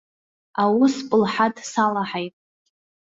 Аус пылҳаҭ салаҳаит.